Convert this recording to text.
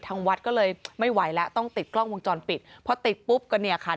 ทางวัดก็เลยไม่ไหวแล้วต้องติดกล้องวงจรปิดพอติดปุ๊บก็เนี่ยค่ะ